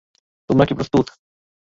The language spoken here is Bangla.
তোমরা কি প্রস্তুত?